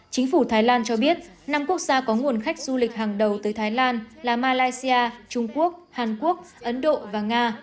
chính phủ thái lan cho biết năm quốc gia có nguồn khách du lịch hàng đầu tới thái lan là malaysia trung quốc hàn quốc ấn độ và nga